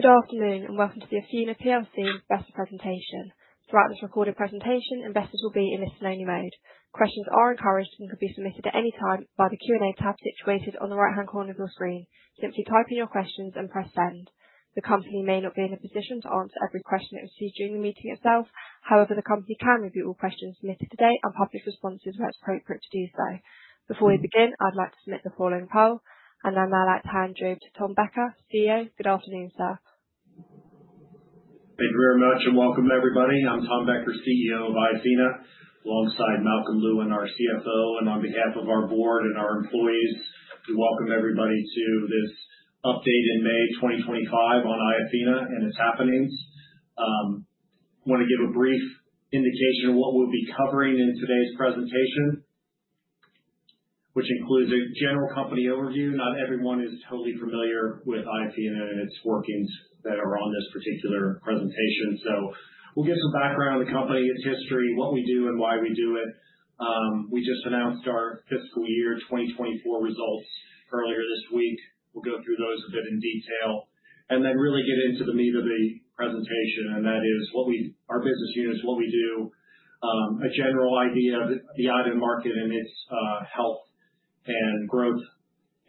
Good afternoon, and welcome to the Iofina plc investor presentation. Throughout this recorded presentation, investors will be in listen-only mode. Questions are encouraged and can be submitted at any time via the Q&A tab situated on the right-hand corner of your screen. Simply type in your questions and press send. The company may not be in a position to answer every question that you see during the meeting itself; however, the company can review all questions submitted today, and publish responses where it's appropriate to do so. Before we begin, I'd like to submit the following poll, and I'll now like to hand you over to Tom Becker, CEO. Good afternoon, sir. Thank you very much, and welcome to everybody. I'm Tom Becker, CEO of Iofina, alongside Malcolm Lewin, our CFO, and on behalf of our board and our employees, we welcome everybody to this update in May 2025 on Iofina and its happenings. I want to give a brief indication of what we'll be covering in today's presentation, which includes a general company overview. Not everyone is totally familiar with Iofina and its workings that are on this particular presentation. So we'll give some background on the company, its history, what we do, and why we do it. We just announced our fiscal year 2024 results earlier this week. We'll go through those a bit in detail and then really get into the meat of the presentation, and that is what we, our business units, what we do, a general idea of the iodine market and its health and growth,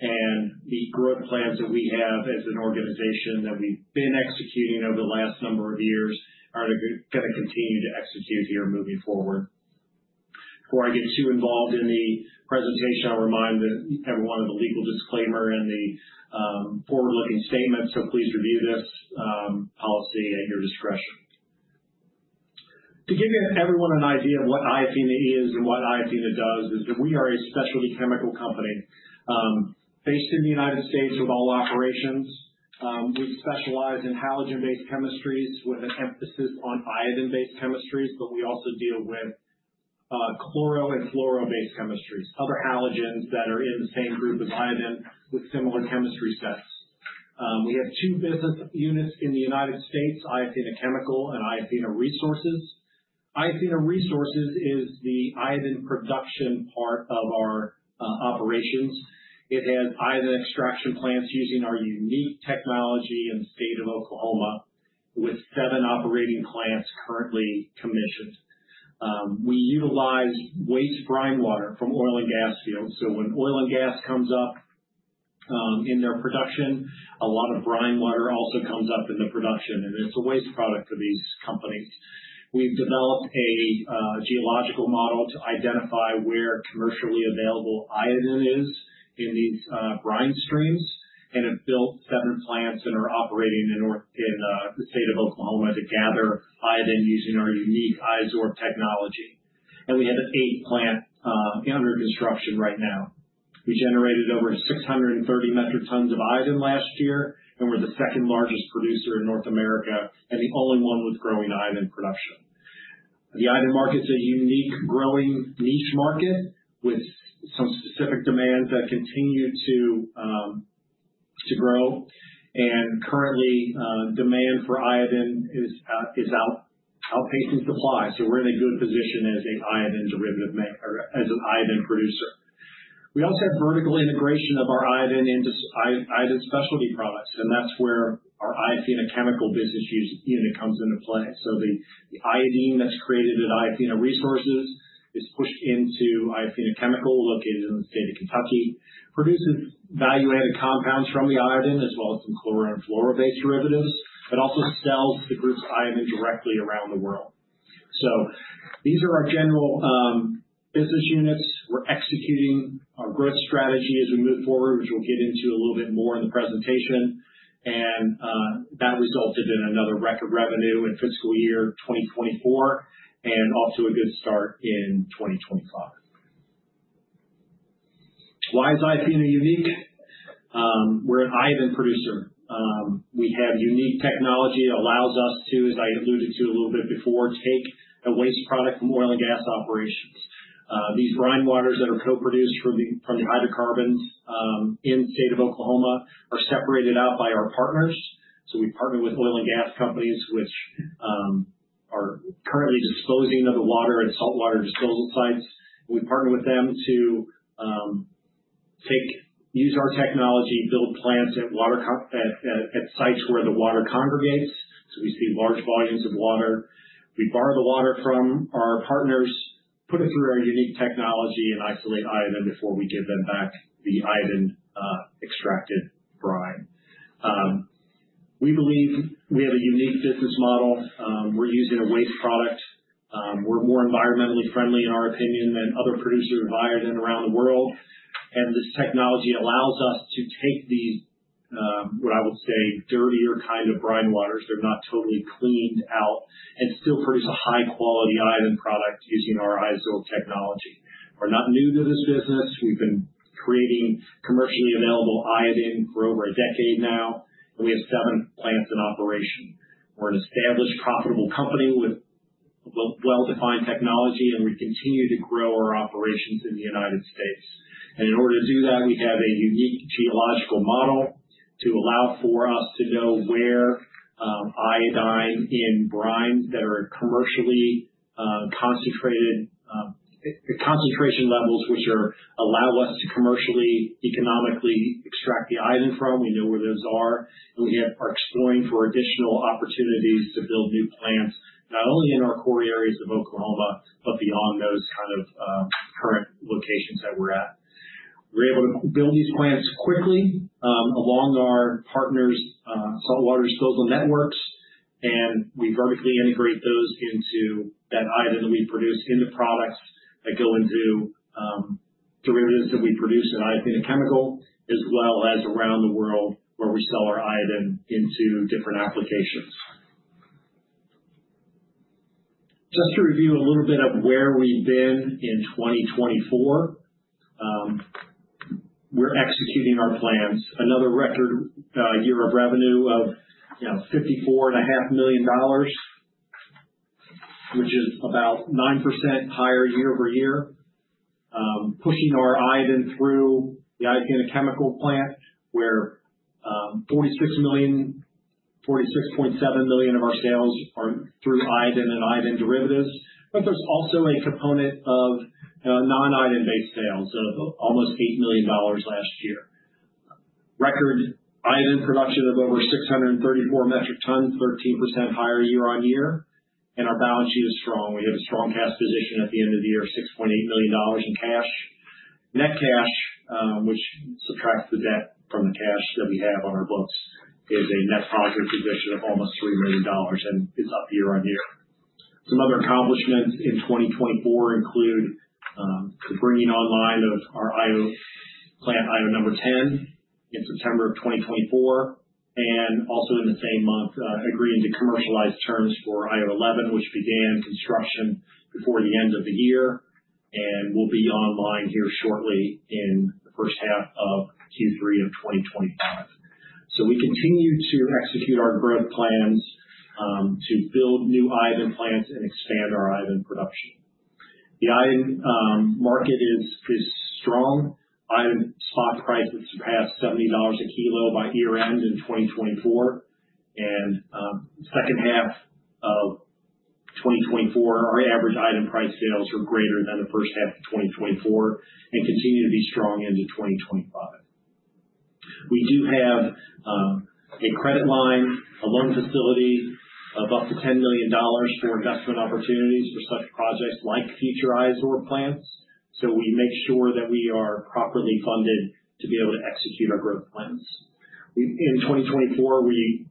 and the growth plans that we have as an organization that we've been executing over the last number of years are going to continue to execute here moving forward. Before I get too involved in the presentation, I'll remind everyone of the legal disclaimer and the forward-looking statement, so please review this policy at your discretion. To give everyone an idea of what Iofina is and what Iofina does, is that we are a specialty chemical company based in the United States with all operations. We specialize in halogen-based chemistries with an emphasis on iodine-based chemistries, but we also deal with chloro and fluoro-based chemistries, other halogens that are in the same group as iodine with similar chemistry sets. We have two business units in the United States: Iofina Chemical and Iofina Resources. Iofina Resources is the iodine production part of our operations. It has iodine extraction plants using our unique technology in the state of Oklahoma, with seven operating plants currently commissioned. We utilize waste brine water from oil and gas fields, so when oil and gas comes up in their production, a lot of brine water also comes up in the production, and it's a waste product for these companies. We've developed a geological model to identify where commercially available iodine is in these brine streams, and have built seven plants that are operating in the state of Oklahoma to gather iodine using our unique Iofina technology, and we have eight plants under construction right now. We generated over 630 metric tons of iodine last year, and we're the second largest producer in North America and the only one with growing iodine production. The iodine market's a unique growing niche market with some specific demands that continue to grow, and currently, demand for iodine is outpacing supply, so we're in a good position as an iodine producer. We also have vertical integration of our iodine specialty products, and that's where our Iofina Chemical business unit comes into play. So the iodine that's created at Iofina Resources is pushed into Iofina Chemical, located in the state of Kentucky, produces value-added compounds from the iodine, as well as some chloro and fluoro-based derivatives, but also sells the group's iodine directly around the world. So these are our general business units. We're executing our growth strategy as we move forward, which we'll get into a little bit more in the presentation. And that resulted in another record revenue in fiscal year 2024 and off to a good start in 2025. Why is Iofina unique? We're an iodine producer. We have unique technology that allows us to, as I alluded to a little bit before, take a waste product from oil and gas operations. These brine waters that are co-produced from the hydrocarbons in the state of Oklahoma are separated out by our partners. So we partner with oil and gas companies, which are currently disposing of the water at saltwater disposal sites. We partner with them to use our technology, build plants at sites where the water congregates, so we see large volumes of water. We borrow the water from our partners, put it through our unique technology, and isolate iodine before we give them back the iodine-extracted brine. We believe we have a unique business model. We're using a waste product. We're more environmentally friendly, in our opinion, than other producers of iodine around the world. And this technology allows us to take these, what I would say, dirtier kind of brine waters (they're not totally cleaned out) and still produce a high-quality iodine product using our Iofina technology. We're not new to this business. We've been creating commercially available iodine for over a decade now, and we have seven plants in operation. We're an established, profitable company with well-defined technology, and we continue to grow our operations in the United States, and in order to do that, we have a unique geological model to allow for us to know where iodine in brines that are commercially concentrated, the concentration levels which allow us to commercially, economically extract the iodine from. We know where those are, and we are exploring for additional opportunities to build new plants, not only in our core areas of Oklahoma, but beyond those kind of current locations that we're at. We're able to build these plants quickly along our partners' saltwater disposal networks, and we vertically integrate those into that iodine that we produce into products that go into derivatives that we produce at Iofina Chemical, as well as around the world where we sell our iodine into different applications. Just to review a little bit of where we've been in 2024, we're executing our plans. Another record year of revenue of $54.5 million, which is about 9% higher year over year. Pushing our iodine through the Iofina Chemical plant, where $46.7 million of our sales are through iodine and iodine derivatives, but there's also a component of non-iodine-based sales of almost $8 million last year. Record iodine production of over 634 metric tons, 13% higher year on year, and our balance sheet is strong. We have a strong cash position at the end of the year: $6.8 million in cash. Net cash, which subtracts the debt from the cash that we have on our books, is a net positive position of almost $3 million, and it's up year on year. Some other accomplishments in 2024 include bringing online our Iofina plant IO number 10 in September of 2024, and also in the same month, agreeing to commercialize terms for IO number 11, which began construction before the end of the year and will be online here shortly in the first half of Q3 of 2025. So we continue to execute our growth plans to build new iodine plants and expand our iodine production. The iodine market is strong. Iodine spot prices surpassed $70 a kilo by year-end in 2024, and second half of 2024, our average iodine price sales were greater than the first half of 2024 and continue to be strong into 2025. We do have a credit line, a loan facility of up to $10 million for investment opportunities for such projects like future Iofina plants, so we make sure that we are properly funded to be able to execute our growth plans. In 2024, we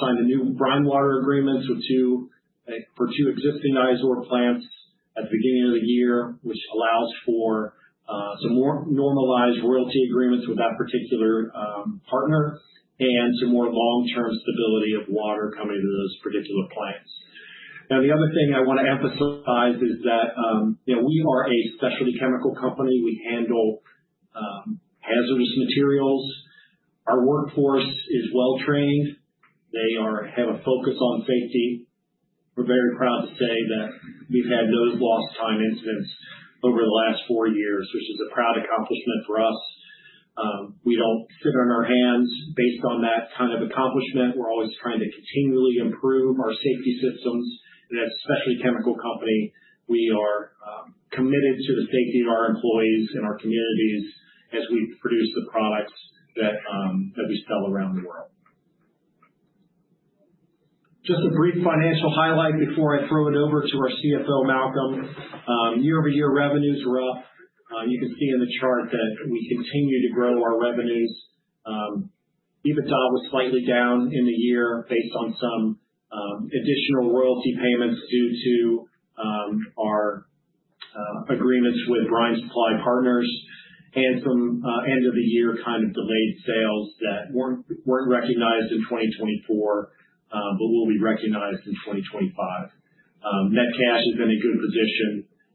signed the new brine water agreements for two existing Iofina plants at the beginning of the year, which allows for some more normalized royalty agreements with that particular partner and some more long-term stability of water coming to those particular plants. Now, the other thing I want to emphasize is that we are a specialty chemical company. We handle hazardous materials. Our workforce is well-trained. They have a focus on safety. We're very proud to say that we've had no lost time incidents over the last four years, which is a proud accomplishment for us. We don't sit on our hands based on that kind of accomplishment. We're always trying to continually improve our safety systems, and as a specialty chemical company, we are committed to the safety of our employees and our communities as we produce the products that we sell around the world. Just a brief financial highlight before I throw it over to our CFO, Malcolm. Year-over-year revenues are up. You can see in the chart that we continue to grow our revenues. EBITDA was slightly down in the year based on some additional royalty payments due to our agreements with brine supply partners and some end-of-the-year kind of delayed sales that weren't recognized in 2024 but will be recognized in 2025. Net cash is in a good position,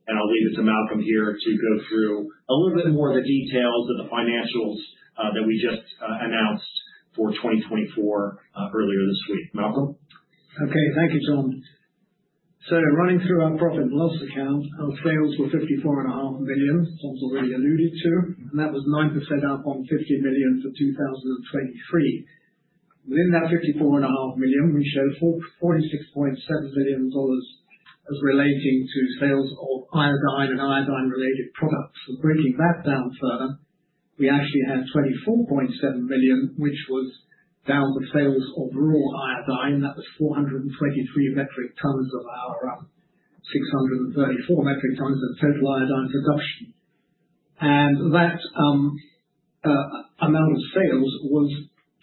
and I'll leave it to Malcolm here to go through a little bit more of the details of the financials that we just announced for 2024 earlier this week. Malcolm? Okay. Thank you, Tom. So running through our profit and loss account, our sales were $54.5 million, Tom's already alluded to, and that was 9% up on $50 million for 2023. Within that $54.5 million, we showed $46.7 million as relating to sales of iodine and iodine-related products. And breaking that down further, we actually had $24.7 million, which was down to sales of raw iodine. That was 423 metric tons of our 634 metric tons of total iodine production. And that amount of sales was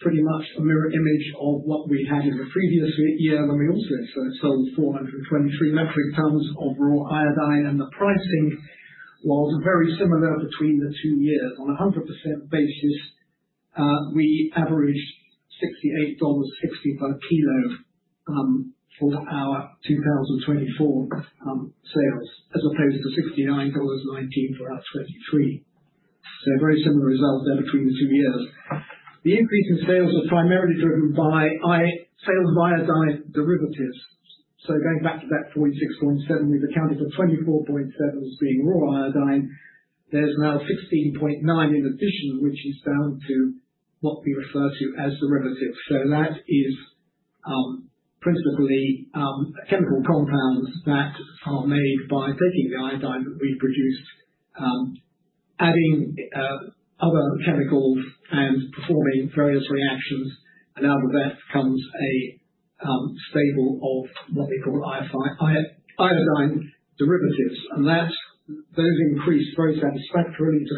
pretty much a mirror image of what we had in the previous year. And we also sold 423 metric tons of raw iodine, and the pricing was very similar between the two years. On a 100% basis, we averaged $68.60 per kilo for our 2024 sales as opposed to $69.19 for our 2023. So very similar results there between the two years. The increase in sales was primarily driven by sales of iodine derivatives. So going back to that 46.7, we've accounted for 24.7 as being raw iodine. There's now 16.9 in addition, which is down to what we refer to as derivatives, so that is principally chemical compounds that are made by taking the iodine that we've produced, adding other chemicals, and performing various reactions. And out of that comes a stable of what we call iodine derivatives, and those increased very satisfactorily to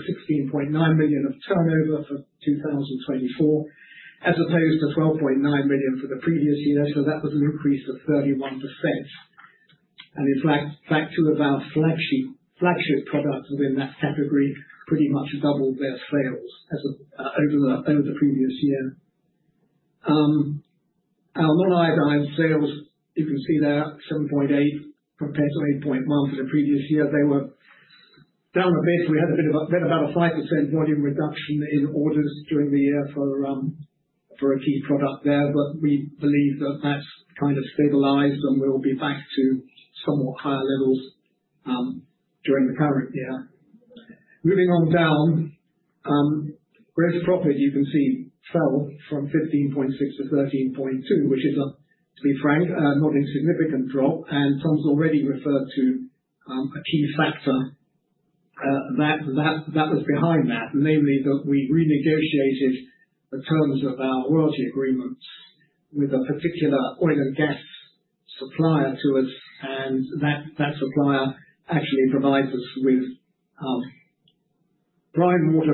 $16.9 million of turnover for 2024, as opposed to $12.9 million for the previous year, so that was an increase of 31%, and in fact, two of our flagship products within that category pretty much doubled their sales over the previous year. Our non-iodine sales, you can see there, 7.8 compared to 8.1 for the previous year. They were down a bit. We had about a 5% volume reduction in orders during the year for a key product there, but we believe that that's kind of stabilized and will be back to somewhat higher levels during the current year. Moving on down, gross profit, you can see, fell from $15.6 to $13.2, which is, to be frank, a not insignificant drop, and Tom's already referred to a key factor that was behind that, namely that we renegotiated the terms of our royalty agreements with a particular oil and gas supplier to us, and that supplier actually provides us with brine water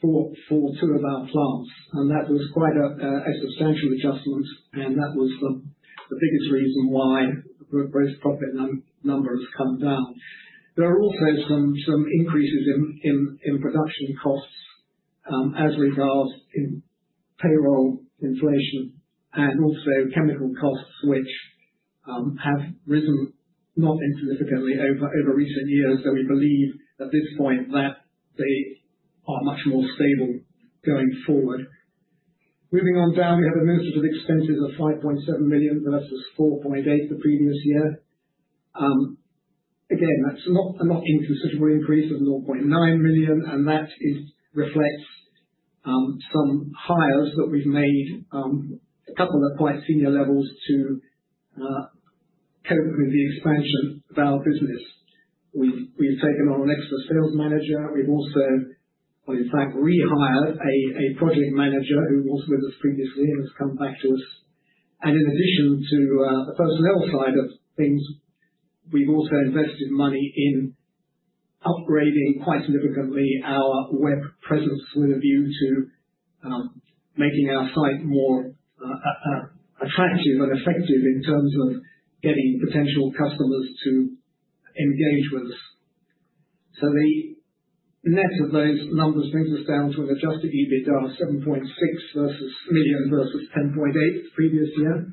for two of our plants, and that was quite a substantial adjustment, and that was the biggest reason why the gross profit number has come down. There are also some increases in production costs as regards payroll inflation and also chemical costs, which have risen not insignificantly over recent years. So we believe at this point that they are much more stable going forward. Moving on down, we have administrative expenses of $5.7 million versus $4.8 million the previous year. Again, that's not an inconsiderable increase of $0.9 million, and that reflects some hires that we've made, a couple at quite senior levels, to cope with the expansion of our business. We've taken on an extra sales manager. We've also, in fact, rehired a project manager who was with us previously and has come back to us. And in addition to the personnel side of things, we've also invested money in upgrading quite significantly our web presence with a view to making our site more attractive and effective in terms of getting potential customers to engage with us. So the net of those numbers brings us down to an adjusted EBITDA of $7.6 million versus $10.8 million the previous year.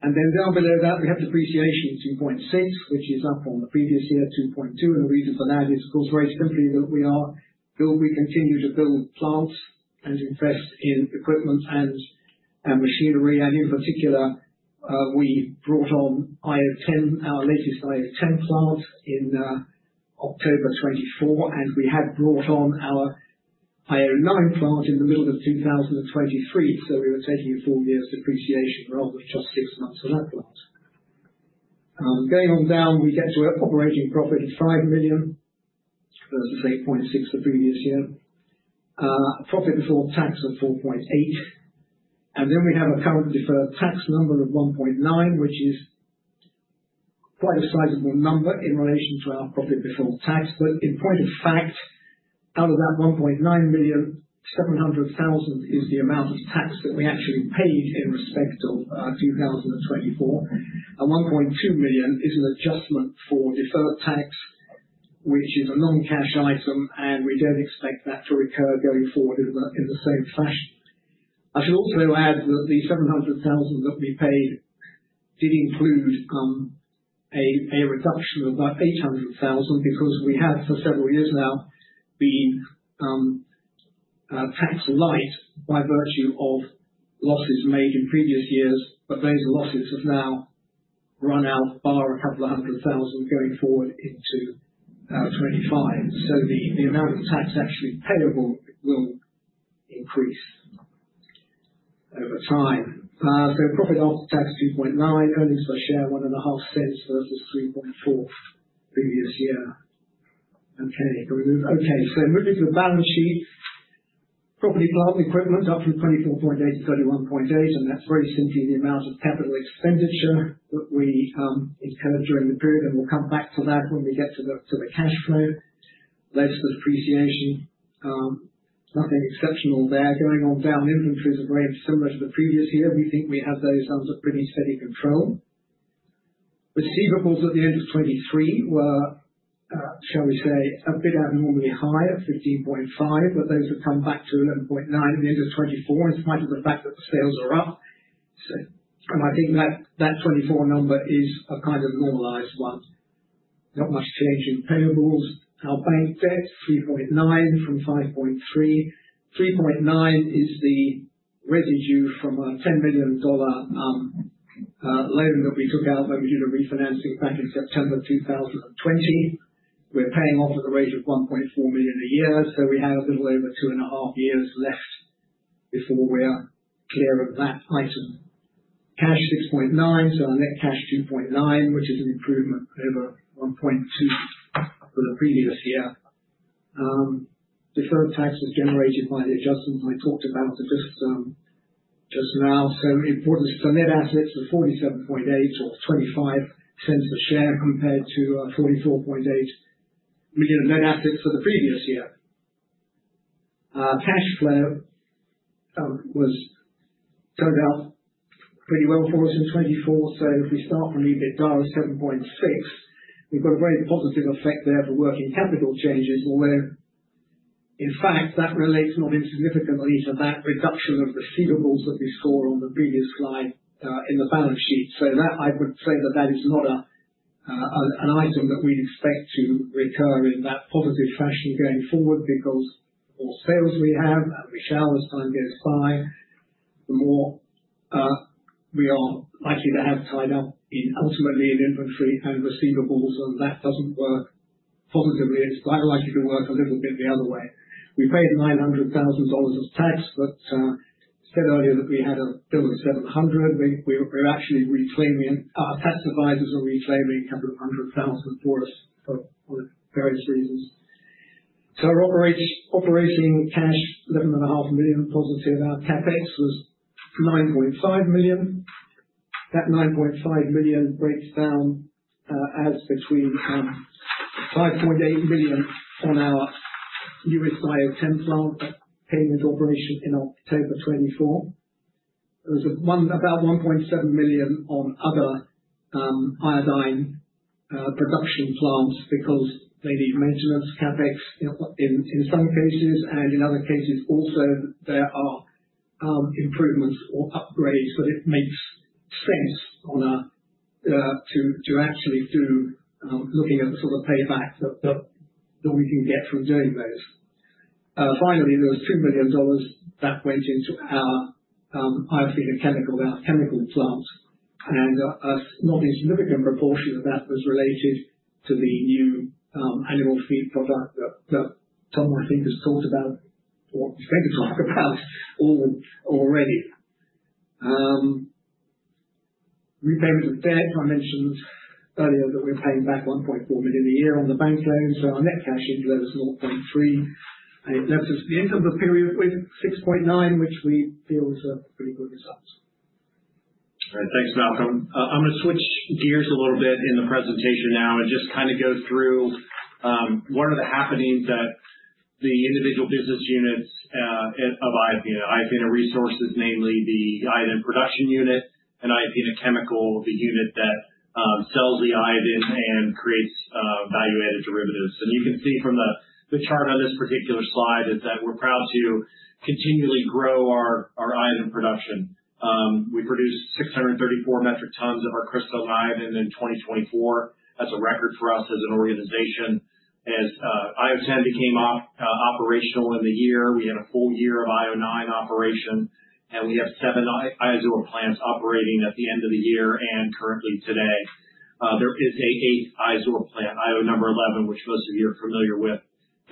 And then down below that, we have depreciation of $2.6 million, which is up from the previous year to $2.2 million. And the reason for that is, of course, very simply that we continue to build plants and invest in equipment and machinery. And in particular, we brought on our latest Iofina plant in October 2024, and we had brought on our Iofina plant in the middle of 2023. So we were taking a four-year depreciation rather than just six months on that plant. Going on down, we get to an operating profit of $5 million versus $8.6 million the previous year, profit before tax of $4.8 million. And then we have a current deferred tax number of $1.9 million, which is quite a sizable number in relation to our profit before tax. But in point of fact, out of that $1.9 million, $700,000 is the amount of tax that we actually paid in respect of 2024. And $1.2 million is an adjustment for deferred tax, which is a non-cash item, and we don't expect that to recur going forward in the same fashion. I should also add that the $700,000 that we paid did include a reduction of about $800,000 because we have for several years now been taxed light by virtue of losses made in previous years, but those losses have now run out by a couple of hundred thousand going forward into 2025. So the amount of tax actually payable will increase over time. So profit after tax $2.9 million, earnings per share $0.015 versus $0.034 previous year. Okay. Can we move? Okay. So moving to the balance sheet, property plant equipment up from $24.8-$31.8, and that's very simply the amount of capital expenditure that we incurred during the period, and we'll come back to that when we get to the cash flow led to depreciation. Nothing exceptional there. Going on down, inventories are very similar to the previous year. We think we have those under pretty steady control. Receivables at the end of 2023 were, shall we say, a bit abnormally high at $15.5, but those have come back to $11.9 at the end of 2024 in spite of the fact that the sales are up. And I think that that 2024 number is a kind of normalized one. Not much change in payables. Our bank debt, $3.9 from $5.3. $3.9 is the residue from our $10 million loan that we took out when we did a refinancing back in September 2020. We're paying off at a rate of $1.4 million a year, so we have a little over two and a half years left before we're clear of that item. Cash $6.9, so our net cash $2.9, which is an improvement over $1.2 for the previous year. Deferred tax was generated by the adjustments I talked about just now, so net assets were $47.8 or $0.25 a share compared to $44.8 million of net assets for the previous year. Cash flow turned out pretty well for us in 2024. If we start from EBITDA of 7.6, we've got a very positive effect there for working capital changes where, in fact, that relates not insignificantly to that reduction of receivables that we saw on the previous slide in the balance sheet. I would say that that is not an item that we'd expect to recur in that positive fashion going forward because the more sales we have and we shall as time goes by, the more we are likely to have tied up ultimately in inventory and receivables. And if that doesn't work positively, it's quite likely to work a little bit the other way. We paid $900,000 of tax, but I said earlier that we had a bill of $700,000. We're actually reclaiming. Our tax advisors are reclaiming a couple of hundred thousand for us for various reasons. Our operating cash [is] $11.5 million positive. Our CapEx was $9.5 million. That $9.5 million breaks down as between $5.8 million on our U.S. Iofina plant that came into operation in October 2024. There was about $1.7 million on other iodine production plants because they need maintenance CapEx in some cases. And in other cases, also, there are improvements or upgrades that it makes sense to actually do looking at the sort of payback that we can get from doing those. Finally, there was $2 million that went into our Iofina Chemical plant. And not an insignificant proportion of that was related to the new animal feed product that Tom, I think, has talked about or is going to talk about already. Repayment of debt. I mentioned earlier that we're paying back $1.4 million a year on the bank loan. So our net cash inflow was $0.3 million. It left us at the end of the period with 6.9, which we feel was a pretty good result. All right. Thanks, Malcolm. I'm going to switch gears a little bit in the presentation now and just kind of go through what are the happenings at the individual business units of Iofina. Iofina Resources is namely the iodine production unit, and Iofina Chemical, the unit that sells the iodine and creates value-added derivatives. And you can see from the chart on this particular slide is that we're proud to continually grow our iodine production. We produced 634 metric tons of our crystalline iodine in 2024. That's a record for us as an organization. As Iofina became operational in the year, we had a full year of Iofina operation, and we have seven Iofina plants operating at the end of the year and currently today. There is an eighth Iofina plant, Iofina number 11, which most of you are familiar with,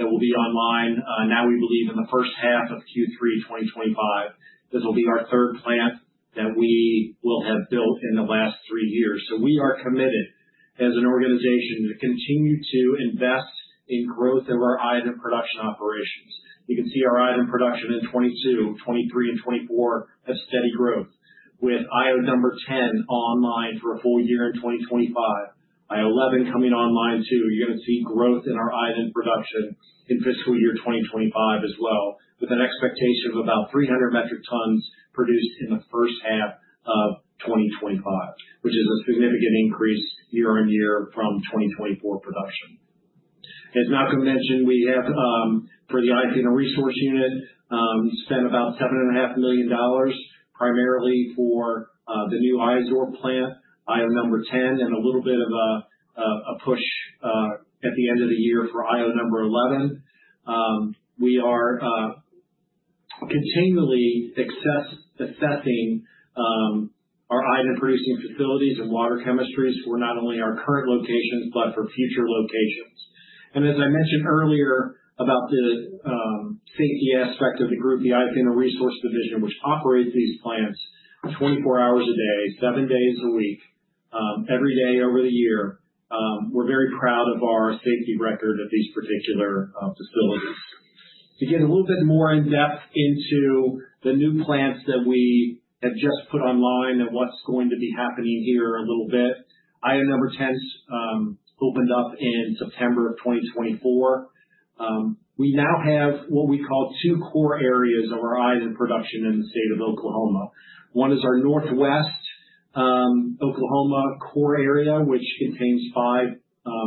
that will be online now, we believe, in the first half of Q3 2025. This will be our third plant that we will have built in the last three years, so we are committed as an organization to continue to invest in growth of our iodine production operations. You can see our iodine production in 2022, 2023, and 2024 have steady growth with Iofina number 10 online for a full year in 2025, Iofina 11 coming online too. You're going to see growth in our iodine production in fiscal year 2025 as well, with an expectation of about 300 metric tons produced in the first half of 2025, which is a significant increase year on year from 2024 production. As Malcolm mentioned, we have, for the Iofina Resources unit, spent about $7.5 million primarily for the new Iofina plant, Iofina number 10, and a little bit of a push at the end of the year for Iofina number 11. We are continually assessing our iodine-producing facilities and water chemistries for not only our current locations but for future locations. And as I mentioned earlier about the safety aspect of the group, the Iofina Resources division, which operates these plants 24 hours a day, seven days a week, every day over the year, we're very proud of our safety record at these particular facilities. To get a little bit more in depth into the new plants that we have just put online and what's going to be happening here a little bit, Iofina number 10 opened up in September of 2024. We now have what we call two core areas of our iodine production in the state of Oklahoma. One is our northwest Oklahoma core area, which contains five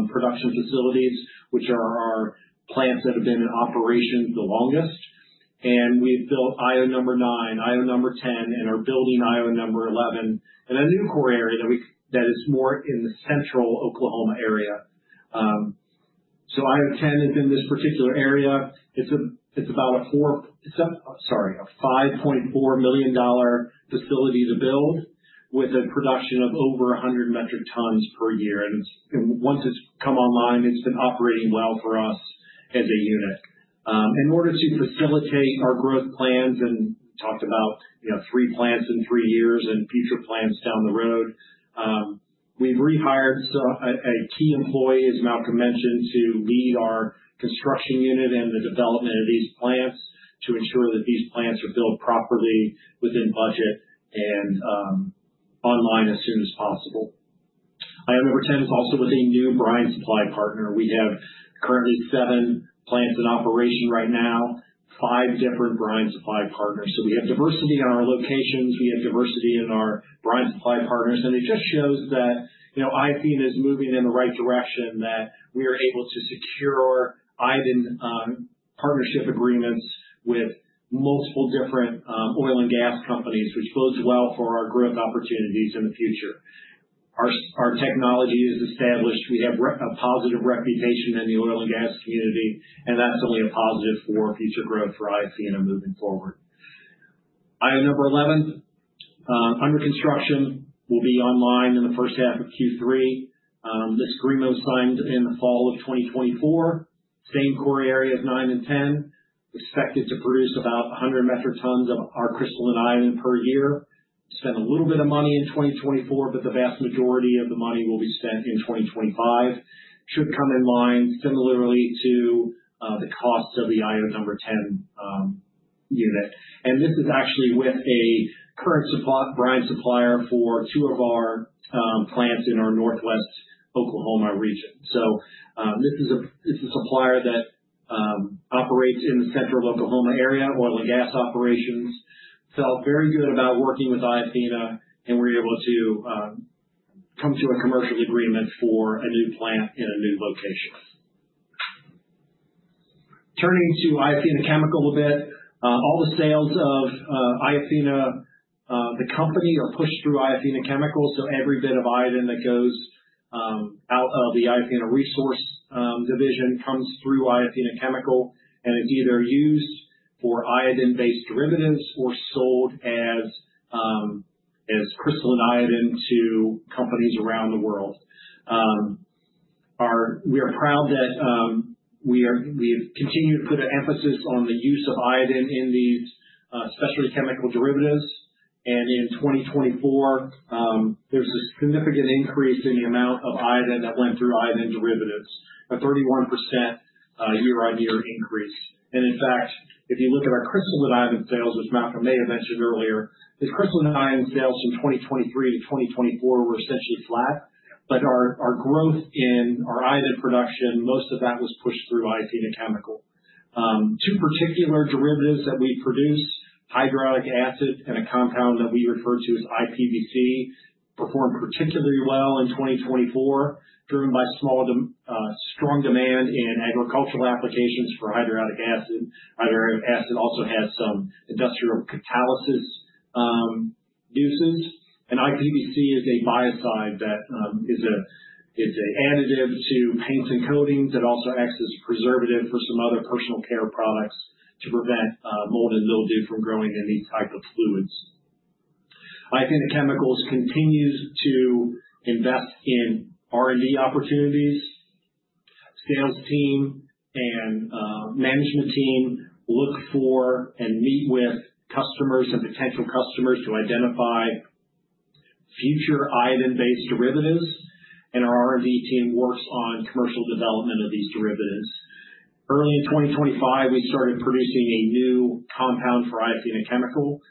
production facilities, which are our plants that have been in operation the longest, and we've built Iofina number 9, Iofina number 10, and are building Iofina number 11 in a new core area that is more in the central Oklahoma area, so Iofina 10 is in this particular area. It's about a four, sorry, a $5.4 million facility to build with a production of over 100 metric tons per year, and once it's come online, it's been operating well for us as a unit. In order to facilitate our growth plans and talked about three plants in three years and future plans down the road, we've rehired a key employee, as Malcolm mentioned, to lead our construction unit and the development of these plants to ensure that these plants are built properly within budget and online as soon as possible. Iofina number 10 is also with a new brine supply partner. We have currently seven plants in operation right now, five different brine supply partners, so we have diversity in our locations. We have diversity in our brine supply partners, and it just shows that Iofina is moving in the right direction, that we are able to secure our iodine partnership agreements with multiple different oil and gas companies, which bodes well for our growth opportunities in the future. Our technology is established. We have a positive reputation in the oil and gas community, and that's only a positive for future growth for Iofina moving forward. Iofina number 11, under construction, will be online in the first half of Q3. Commissioned in the fall of 2024. Same core area of nine and 10, expected to produce about 100 metric tons of our crystalline iodine per year. Spent a little bit of money in 2024, but the vast majority of the money will be spent in 2025. Should come in line similarly to the cost of the Iofina number 10 unit. This is actually with a current brine supplier for two of our plants in our Northwest Oklahoma region. This is a supplier that operates in the Central Oklahoma area, oil and gas operations. Felt very good about working with Iofina, and we're able to come to a commercial agreement for a new plant in a new location. Turning to Iofina Chemical a bit, all the sales of Iofina, the company, are pushed through Iofina Chemical. So every bit of iodine that goes out of the Iofina Resources division comes through Iofina Chemical, and it's either used for iodine-based derivatives or sold as crystalline iodine to companies around the world. We are proud that we have continued to put an emphasis on the use of iodine in these specialty chemical derivatives. And in 2024, there's a significant increase in the amount of iodine that went through iodine derivatives, a 31% year-on-year increase. And in fact, if you look at our crystalline iodine sales, which Malcolm may have mentioned earlier, these crystalline iodine sales from 2023 to 2024 were essentially flat. But our growth in our iodine production, most of that was pushed through Iofina Chemical. Two particular derivatives that we produce, hydriodic acid and a compound that we refer to as IPBC, performed particularly well in 2024, driven by strong demand in agricultural applications for hydriodic acid. Hydriodic acid also has some industrial catalysis uses. And IPBC is a biocide that is an additive to paints and coatings that also acts as a preservative for some other personal care products to prevent mold and mildew from growing in these types of fluids. Iofina Chemical continues to invest in R&D opportunities. Sales team and management team look for and meet with customers and potential customers to identify future iodine-based derivatives. And our R&D team works on commercial development of these derivatives. Early in 2025, we started producing a new compound for Iofina Chemical.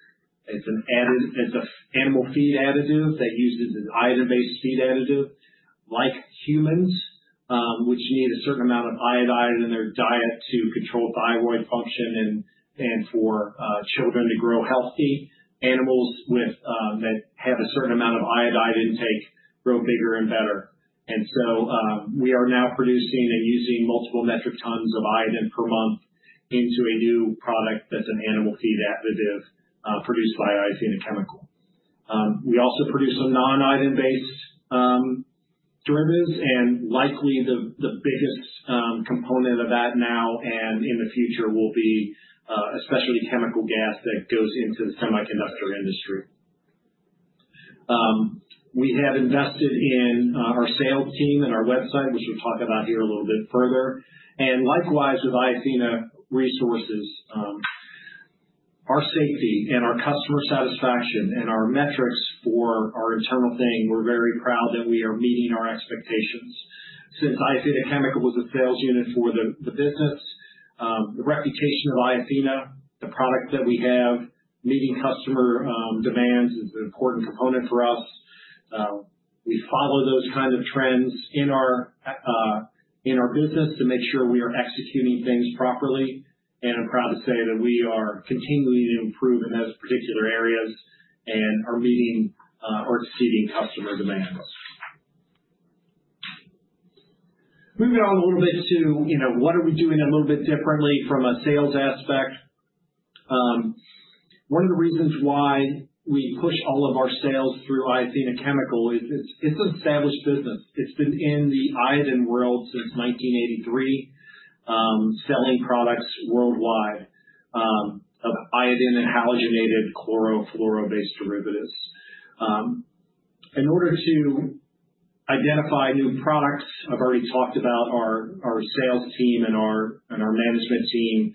It's an animal feed additive that uses an iodine-based feed additive, like humans, which need a certain amount of iodide in their diet to control thyroid function and for children to grow healthy. Animals that have a certain amount of iodide intake grow bigger and better. And so we are now producing and using multiple metric tons of iodine per month into a new product that's an animal feed additive produced by Iofina Chemical. We also produce some non-iodine-based derivatives. And likely, the biggest component of that now and in the future will be a specialty chemical gas that goes into the semiconductor industry. We have invested in our sales team and our website, which we'll talk about here a little bit further. And likewise, with Iofina Resources, our safety and our customer satisfaction and our metrics for our internal thing, we're very proud that we are meeting our expectations. Since Iofina Chemical was a sales unit for the business, the reputation of Iofina, the product that we have, meeting customer demands is an important component for us. We follow those kinds of trends in our business to make sure we are executing things properly, and I'm proud to say that we are continuing to improve in those particular areas and are meeting or exceeding customer demands. Moving on a little bit to what are we doing a little bit differently from a sales aspect. One of the reasons why we push all of our sales through Iofina Chemical is it's an established business. It's been in the iodine world since 1983, selling products worldwide of iodine and halogenated chlorofluoro-based derivatives. In order to identify new products, I've already talked about our sales team and our management team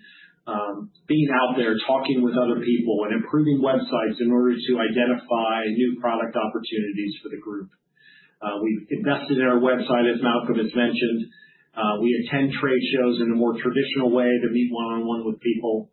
being out there talking with other people and improving websites in order to identify new product opportunities for the group. We've invested in our website, as Malcolm has mentioned. We attend trade shows in a more traditional way to meet one-on-one with people.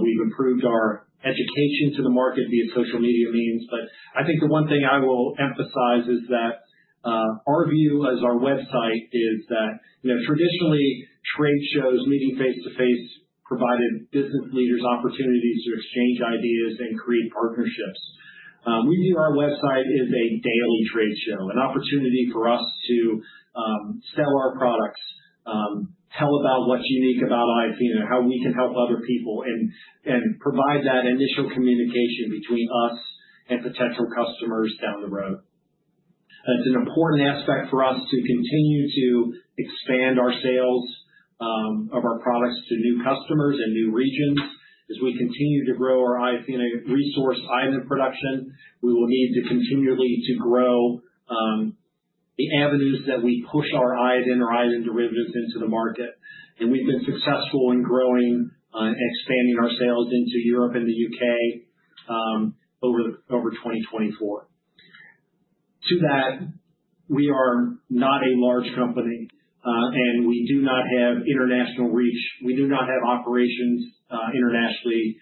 We've improved our education to the market via social media means. But I think the one thing I will emphasize is that our view of our website is that traditionally, trade shows meeting face-to-face provided business leaders opportunities to exchange ideas and create partnerships. We view our website as a daily trade show, an opportunity for us to sell our products, tell about what's unique about Iofina, how we can help other people, and provide that initial communication between us and potential customers down the road. It's an important aspect for us to continue to expand our sales of our products to new customers and new regions. As we continue to grow our Iofina Resources iodine production, we will need to continually grow the avenues that we push our iodine or iodine derivatives into the market, and we've been successful in growing and expanding our sales into Europe and the U.K. over 2024. To that, we are not a large company, and we do not have international reach. We do not have operations internationally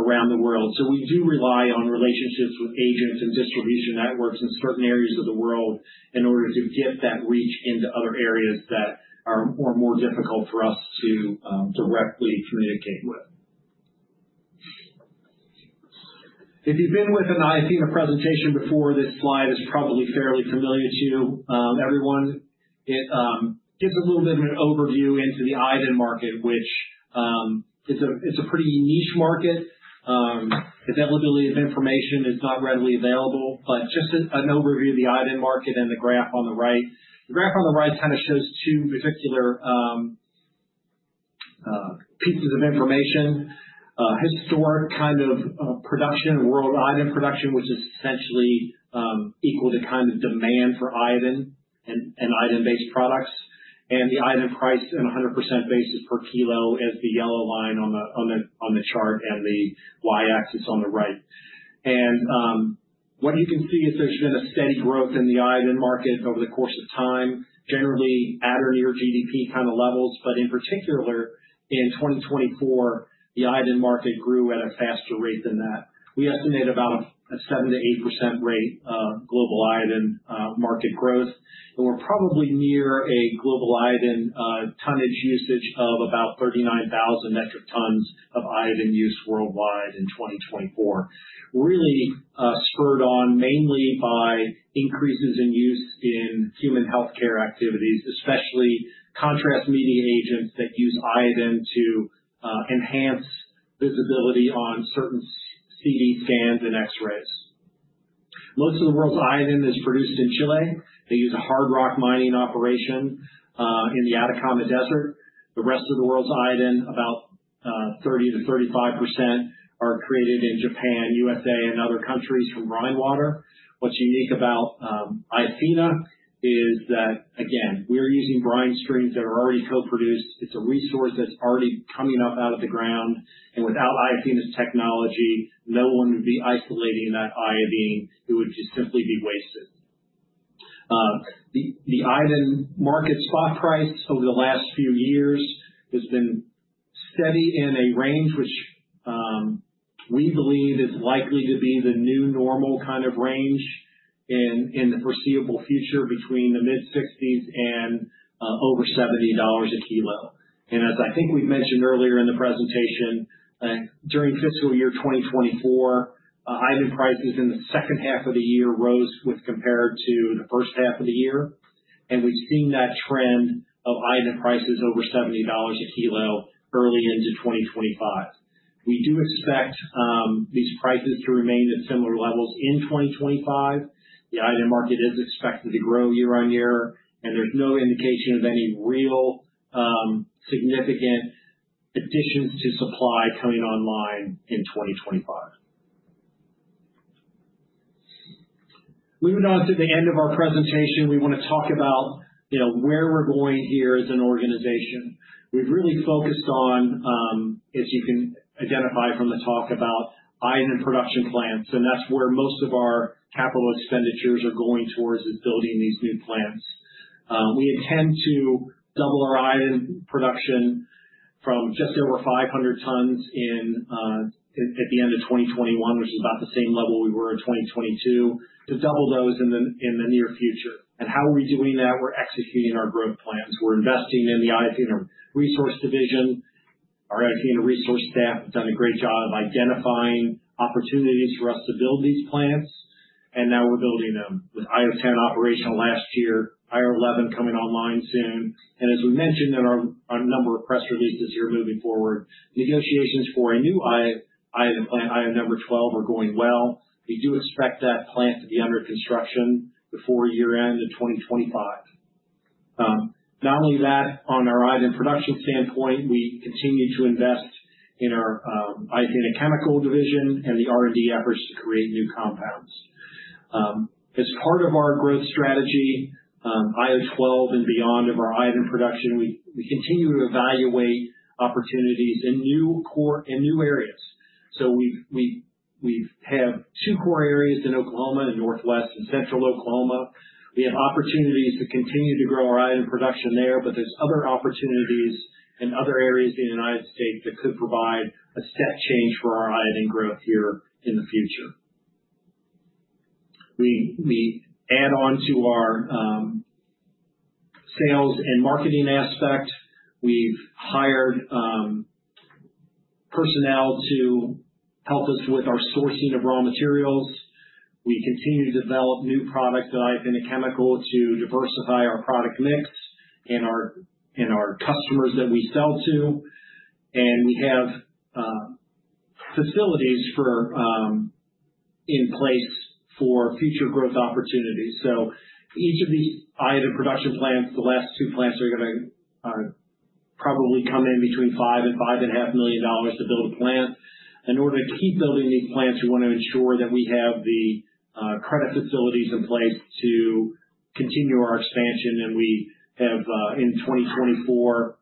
around the world. So we do rely on relationships with agents and distribution networks in certain areas of the world in order to get that reach into other areas that are more difficult for us to directly communicate with. If you've been with an Iofina presentation before, this slide is probably fairly familiar to everyone. It gives a little bit of an overview into the iodine market, which is a pretty niche market. Availability of information is not readily available, but just an overview of the iodine market and the graph on the right. The graph on the right kind of shows two particular pieces of information: historic kind of production of world iodine production, which is essentially equal to kind of demand for iodine and iodine-based products, and the iodine price in a 100% basis per kilo as the yellow line on the chart and the y-axis on the right, and what you can see is there's been a steady growth in the iodine market over the course of time, generally at or near GDP kind of levels, but in particular, in 2024, the iodine market grew at a faster rate than that. We estimate about a 7%-8% rate of global iodine market growth, and we're probably near a global iodine tonnage usage of about 39,000 metric tons of iodine use worldwide in 2024, really spurred on mainly by increases in use in human healthcare activities, especially contrast media agents that use iodine to enhance visibility on certain CT scans and X-rays. Most of the world's iodine is produced in Chile. They use a hard rock mining operation in the Atacama Desert. The rest of the world's iodine, about 30%-35%, are created in Japan, USA, and other countries from brine water. What's unique about Iofina is that, again, we're using brine streams that are already co-produced. It's a resource that's already coming up out of the ground, and without Iofina's technology, no one would be isolating that iodine. It would just simply be wasted. The iodine market spot price over the last few years has been steady in a range which we believe is likely to be the new normal kind of range in the foreseeable future between the mid-60s and over $70 a kilo. And as I think we've mentioned earlier in the presentation, during fiscal year 2024, iodine prices in the second half of the year rose with compared to the first half of the year. And we've seen that trend of iodine prices over $70 a kilo early into 2025. We do expect these prices to remain at similar levels in 2025. The iodine market is expected to grow year on year. And there's no indication of any real significant additions to supply coming online in 2025. Moving on to the end of our presentation, we want to talk about where we're going here as an organization. We've really focused on, as you can identify from the talk, about iodine production plants, and that's where most of our capital expenditures are going towards is building these new plants. We intend to double our iodine production from just over 500 tons at the end of 2021, which is about the same level we were in 2022, to double those in the near future. And how are we doing that? We're executing our growth plans. We're investing in the Iofina Resources division. Our Iofina Resources staff have done a great job of identifying opportunities for us to build these plants, and now we're building them with IO#10 operational last year, IO#11 coming online soon, and as we mentioned in our number of press releases here moving forward, negotiations for a new iodine plant, IO#12, are going well. We do expect that plant to be under construction before year-end in 2025. Not only that, on our iodine production standpoint, we continue to invest in our Iofina Chemical division and the R&D efforts to create new compounds. As part of our growth strategy, IO#12 and beyond of our iodine production, we continue to evaluate opportunities in new areas, so we have two core areas in Oklahoma, the Northwest and Central Oklahoma. We have opportunities to continue to grow our iodine production there, but there's other opportunities in other areas in the United States that could provide a step change for our iodine growth here in the future. We add on to our sales and marketing aspect. We've hired personnel to help us with our sourcing of raw materials. We continue to develop new products at Iofina Chemical to diversify our product mix and our customers that we sell to. We have facilities in place for future growth opportunities. Each of these iodine production plants, the last two plants are going to probably come in between $5-$5.5 million to build a plant. In order to keep building these plants, we want to ensure that we have the credit facilities in place to continue our expansion. We have, in 2024,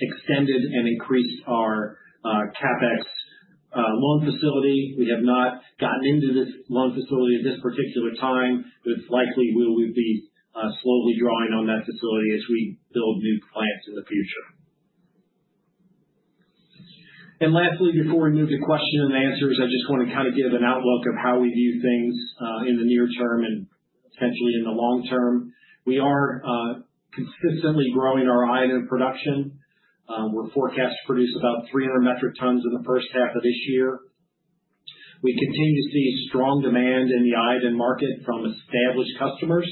extended and increased our CapEx loan facility. We have not gotten into this loan facility at this particular time. It's likely we will be slowly drawing on that facility as we build new plants in the future. Lastly, before we move to questions and answers, I just want to kind of give an outlook of how we view things in the near term and potentially in the long term. We are consistently growing our iodine production. We're forecast to produce about 300 metric tons in the first half of this year. We continue to see strong demand in the iodine market from established customers,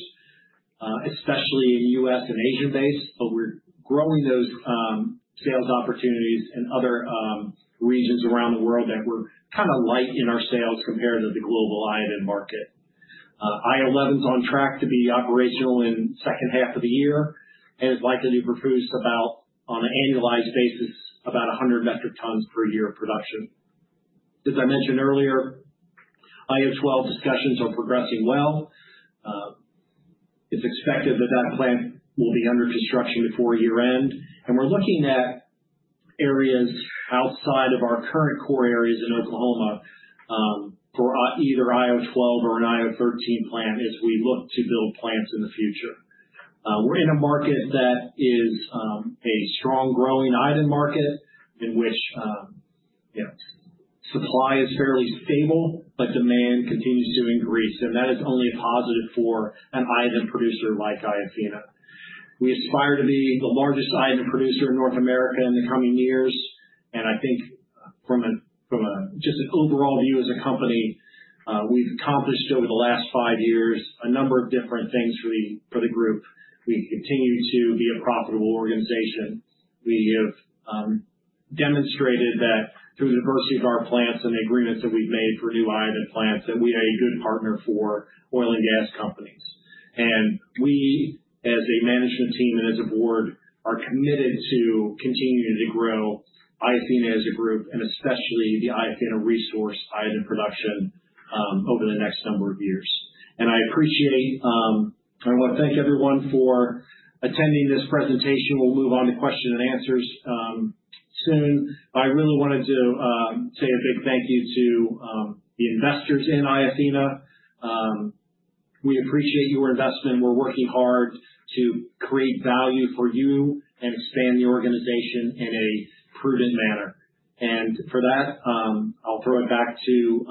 especially in U.S. and Asian base, but we're growing those sales opportunities in other regions around the world that we're kind of light in our sales compared to the global iodine market. IO#11 is on track to be operational in the second half of the year and is likely to produce about, on an annualized basis, about 100 metric tons per year of production. As I mentioned earlier, IO#12 discussions are progressing well. It's expected that that plant will be under construction before year-end, and we're looking at areas outside of our current core areas in Oklahoma for either IO#12 or an IO#13 plant as we look to build plants in the future. We're in a market that is a strong-growing iodine market in which supply is fairly stable, but demand continues to increase, and that is only a positive for an iodine producer like Iofina. We aspire to be the largest iodine producer in North America in the coming years, and I think from just an overall view as a company, we've accomplished over the last five years a number of different things for the group. We continue to be a profitable organization. We have demonstrated that through the diversity of our plants and the agreements that we've made for new iodine plants, that we are a good partner for oil and gas companies, and we, as a management team and as a board, are committed to continuing to grow Iofina as a group and especially the Iofina Resources iodine production over the next number of years. I appreciate and I want to thank everyone for attending this presentation. We'll move on to questions and answers soon. But I really wanted to say a big thank you to the investors in Iofina. We appreciate your investment. We're working hard to create value for you and expand the organization in a prudent manner. For that, I'll throw it back to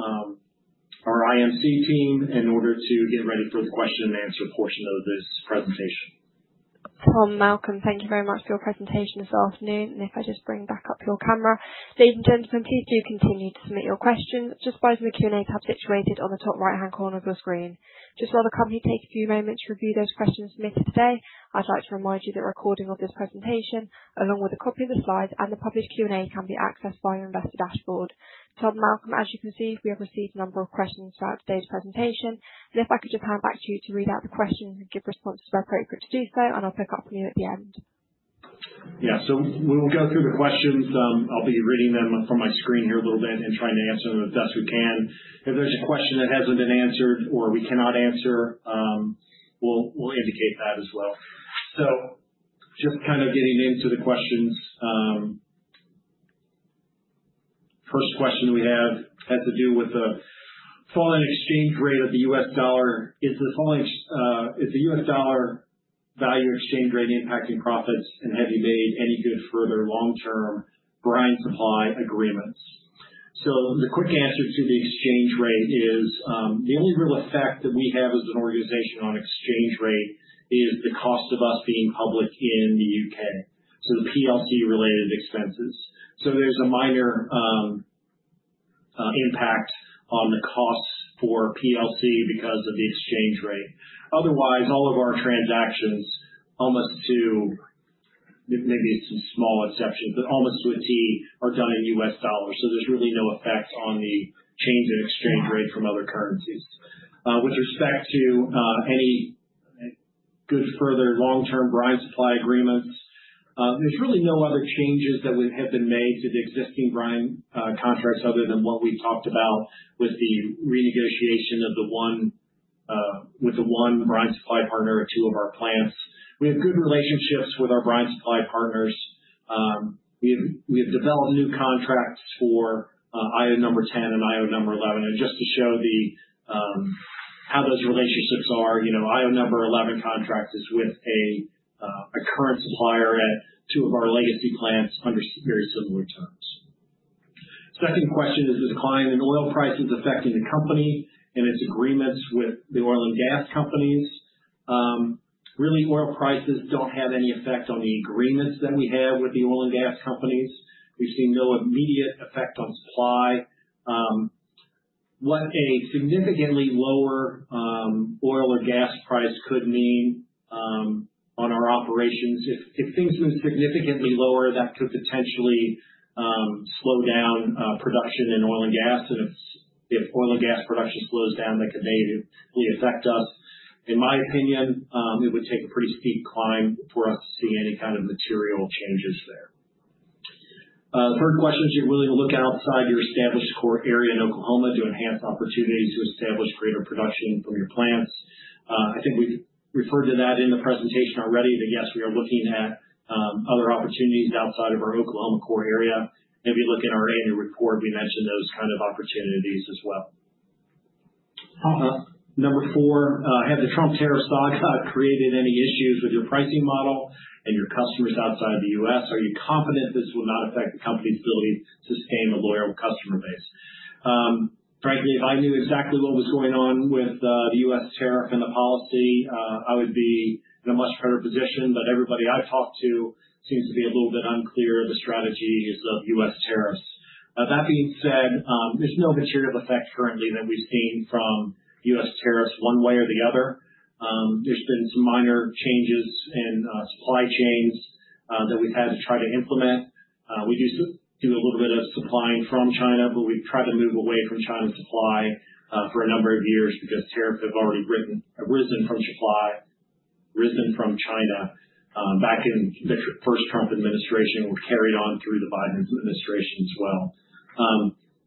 our IMC team in order to get ready for the question and answer portion of this presentation. Malcolm, thank you very much for your presentation this afternoon. If I just bring back up your camera. Ladies and gentlemen, please do continue to submit your questions. Just by the Q&A tab situated on the top right-hand corner of your screen. Just while the company takes a few moments to review those questions submitted today, I'd like to remind you that recording of this presentation, along with a copy of the slides and the published Q&A, can be accessed via our investor dashboard. Malcolm, as you can see, we have received a number of questions throughout today's presentation. If I could just hand back to you to read out the questions and give responses where appropriate to do so, and I'll pick up from you at the end. Yeah. So we'll go through the questions. I'll be reading them from my screen here a little bit and trying to answer them as best we can. If there's a question that hasn't been answered or we cannot answer, we'll indicate that as well. So just kind of getting into the questions. First question we have has to do with the falling exchange rate of the U.S. dollar. Is the U.S. dollar value exchange rate impacting profits? And have you made any good further long-term brine supply agreements? So the quick answer to the exchange rate is the only real effect that we have as an organization on exchange rate is the cost of us being public in the U.K., so the PLC-related expenses. So there's a minor impact on the costs for PLC because of the exchange rate. Otherwise, all of our transactions, almost to maybe some small exceptions, but almost to a T, are done in U.S. dollars. So there's really no effect on the change in exchange rate from other currencies. With respect to any good further long-term brine supply agreements, there's really no other changes that have been made to the existing brine contracts other than what we've talked about with the renegotiation of the one brine supply partner or two of our plants. We have good relationships with our brine supply partners. We have developed new contracts for IO#10 and IO#11. And just to show how those relationships are, IO#11 contract is with a current supplier at two of our legacy plants under very similar terms. Second question is the decline in oil prices affecting the company and its agreements with the oil and gas companies? Really, oil prices don't have any effect on the agreements that we have with the oil and gas companies. We've seen no immediate effect on supply. What a significantly lower oil or gas price could mean on our operations? If things move significantly lower, that could potentially slow down production in oil and gas, and if oil and gas production slows down, that could negatively affect us. In my opinion, it would take a pretty steep climb for us to see any kind of material changes there. Third question is, are you willing to look outside your established core area in Oklahoma to enhance opportunities to establish greater production from your plants? I think we've referred to that in the presentation already, but yes, we are looking at other opportunities outside of our Oklahoma core area. Maybe look in our annual report. We mentioned those kind of opportunities as well. Number four, have the Trump tariff saga created any issues with your pricing model and your customers outside the U.S.? Are you confident this will not affect the company's ability to sustain a loyal customer base? Frankly, if I knew exactly what was going on with the U.S. tariff and the policy, I would be in a much better position. But everybody I've talked to seems to be a little bit unclear of the strategies of U.S. tariffs. That being said, there's no material effect currently that we've seen from U.S. tariffs one way or the other. There's been some minor changes in supply chains that we've had to try to implement. We do a little bit of supplying from China, but we've tried to move away from China supply for a number of years because tariffs have already risen from supply, risen from China back in the first Trump administration and were carried on through the Biden administration as well,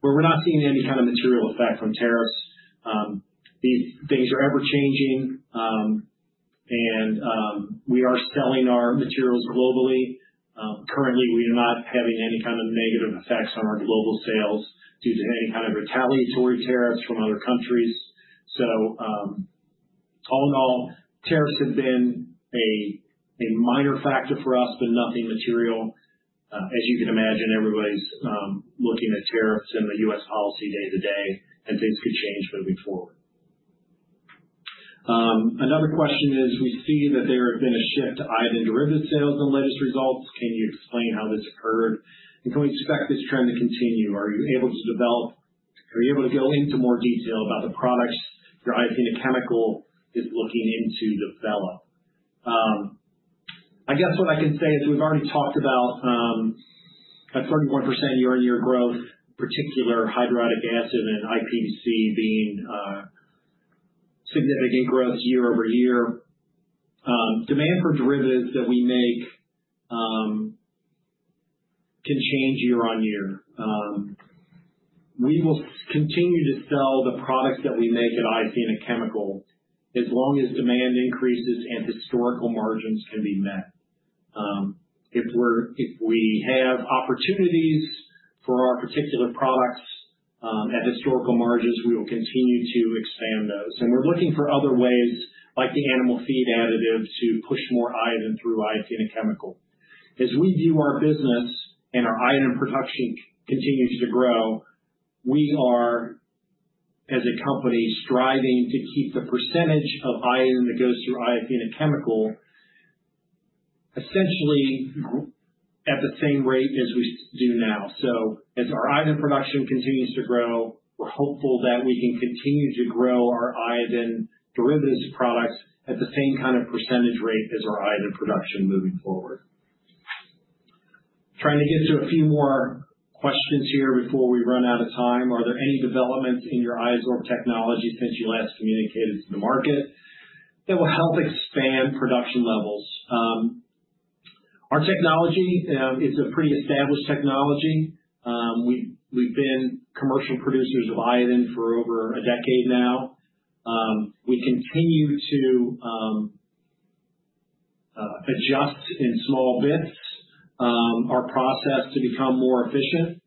but we're not seeing any kind of material effect from tariffs. These things are ever-changing, and we are selling our materials globally. Currently, we are not having any kind of negative effects on our global sales due to any kind of retaliatory tariffs from other countries, so all in all, tariffs have been a minor factor for us, but nothing material. As you can imagine, everybody's looking at tariffs and the U.S. policy day to day, and things could change moving forward. Another question is, we see that there has been a shift to iodine derivative sales in latest results. Can you explain how this occurred? And can we expect this trend to continue? Are you able to develop? Are you able to go into more detail about the products your Iofina Chemical is looking to develop? I guess what I can say is we've already talked about a 31% year-on-year growth, particularly hydriodic acid and IPBC being significant growth year-over-year. Demand for derivatives that we make can change year on year. We will continue to sell the products that we make at Iofina Chemical as long as demand increases and historical margins can be met. If we have opportunities for our particular products at historical margins, we will continue to expand those. And we're looking for other ways, like the animal feed additive, to push more iodine through Iofina Chemical. As we view our business and our iodine production continues to grow, we are, as a company, striving to keep the percentage of iodine that goes through Iofina Chemical essentially at the same rate as we do now, so as our iodine production continues to grow, we're hopeful that we can continue to grow our iodine derivatives products at the same kind of percentage rate as our iodine production moving forward. Trying to get to a few more questions here before we run out of time. Are there any developments in your IOsorb technology since you last communicated to the market that will help expand production levels? Our technology is a pretty established technology. We've been commercial producers of iodine for over a decade now. We continue to adjust in small bits our process to become more efficient.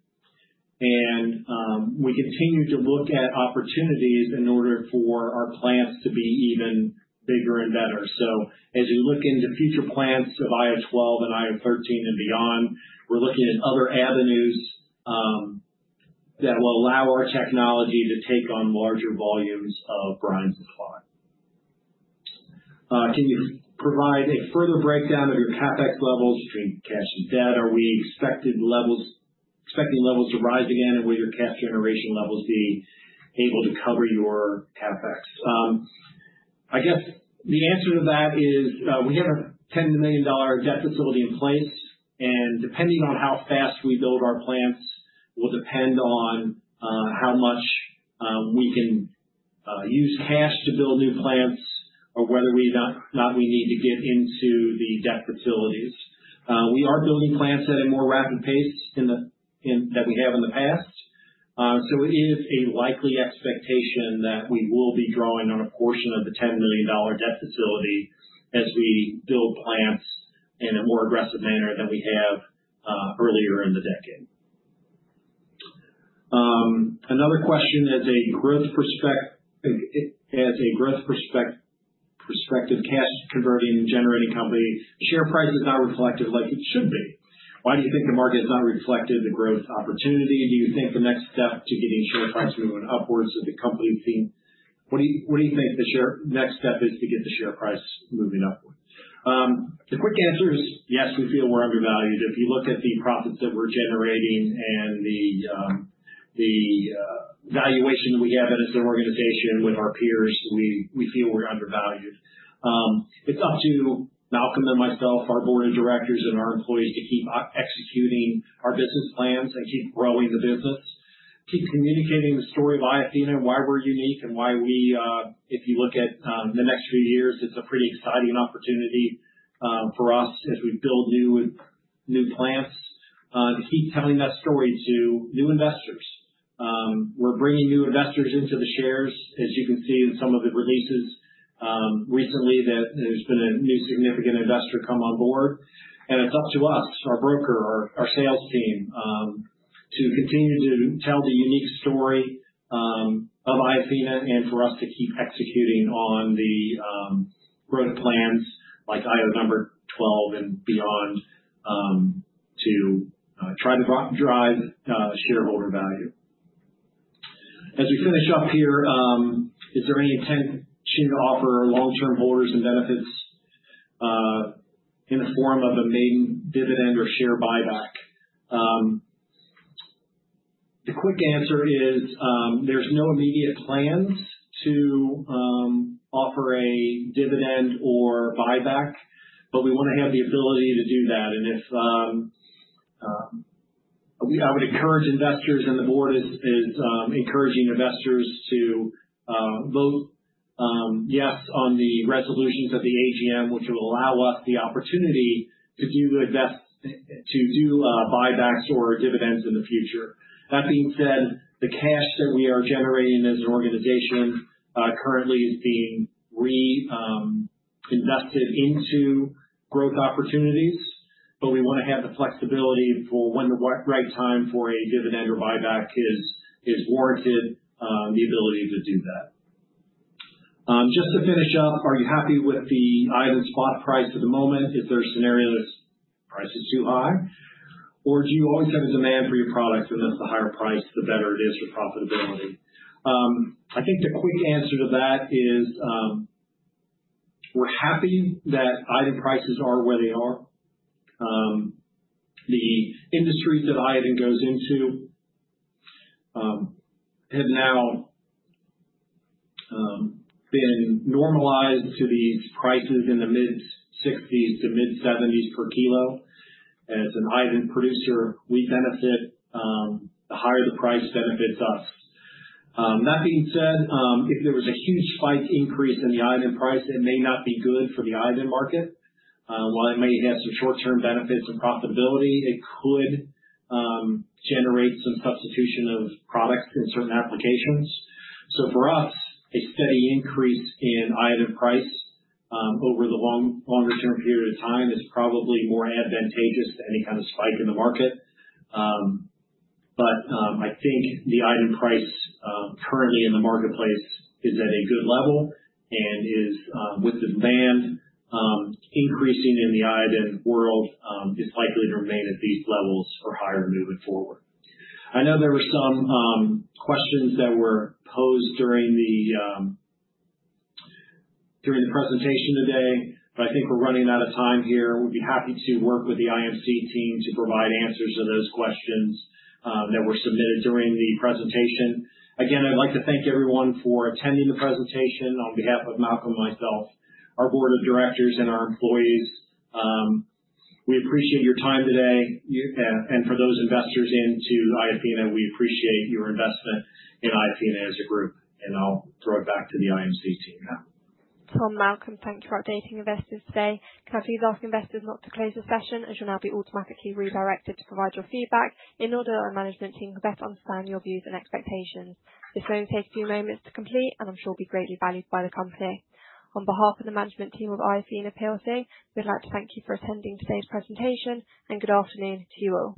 We continue to look at opportunities in order for our plants to be even bigger and better. As we look into future plants of IO#12 and IO#13 and beyond, we're looking at other avenues that will allow our technology to take on larger volumes of brine supply. Can you provide a further breakdown of your CapEx levels between cash and debt? Are we expecting levels to rise again? Will your cash generation levels be able to cover your CapEx? I guess the answer to that is we have a $10 million debt facility in place. Depending on how fast we build our plants will depend on how much we can use cash to build new plants or whether or not we need to get into the debt facilities. We are building plants at a more rapid pace than we have in the past. So it is a likely expectation that we will be drawing on a portion of the $10 million debt facility as we build plants in a more aggressive manner than we have earlier in the decade. Another question: as a growth perspective, cash-converting and generating company, share price is not reflective like it should be. Why do you think the market has not reflected the growth opportunity? Do you think the next step to getting share price moving upwards is the company's theme? What do you think the next step is to get the share price moving upward? The quick answer is yes, we feel we're undervalued. If you look at the profits that we're generating and the valuation that we have as an organization with our peers, we feel we're undervalued. It's up to Malcolm and myself, our board of directors and our employees, to keep executing our business plans and keep growing the business, keep communicating the story of Iofina, why we're unique and why we, if you look at the next few years, it's a pretty exciting opportunity for us as we build new plants, to keep telling that story to new investors. We're bringing new investors into the shares, as you can see in some of the releases recently that there's been a new significant investor come on board. And it's up to us, our broker, our sales team, to continue to tell the unique story of Iofina and for us to keep executing on the growth plans like IO#12 and beyond to try to drive shareholder value. As we finish up here, is there any intention to offer long-term holders and benefits in the form of a maiden dividend or share buyback? The quick answer is there's no immediate plans to offer a dividend or buyback, but we want to have the ability to do that. I would encourage investors, and the board is encouraging investors to vote yes on the resolutions of the AGM, which will allow us the opportunity to do buybacks or dividends in the future. That being said, the cash that we are generating as an organization currently is being reinvested into growth opportunities. We want to have the flexibility for when the right time for a dividend or buyback is warranted, the ability to do that. Just to finish up, are you happy with the iodine spot price at the moment? Is there a scenario that price is too high? Or do you always have a demand for your product? And if the higher price, the better it is for profitability. I think the quick answer to that is we're happy that iodine prices are where they are. The industries that iodine goes into have now been normalized to these prices in the mid-$60s to mid-$70s per kilo. As an iodine producer, we benefit the higher the price benefits us. That being said, if there was a huge spike increase in the iodine price, it may not be good for the iodine market. While it may have some short-term benefits and profitability, it could generate some substitution of products in certain applications. So for us, a steady increase in iodine price over the longer-term period of time is probably more advantageous than any kind of spike in the market. I think the iodine price currently in the marketplace is at a good level and is, with the demand increasing in the iodine world, likely to remain at these levels or higher moving forward. I know there were some questions that were posed during the presentation today, but I think we're running out of time here. We'd be happy to work with the IMC team to provide answ//ers to those questions that were submitted during the presentation. Again, I'd like to thank everyone for attending the presentation on behalf of Malcolm and myself, our board of directors, and our employees. We appreciate your time today. For those investors in Iofina, we appreciate your investment in Iofina as a group. I'll throw it back to the IMC team now. From Malcolm, thank you for updating investors today. Kindly ask investors not to close the session as you'll now be automatically redirected to provide your feedback in order that our management team can better understand your views and expectations. This may only take a few moments to complete, and I'm sure it will be greatly valued by the company. On behalf of the management team of Iofina plc, we'd like to thank you for attending today's presentation, and good afternoon to you all.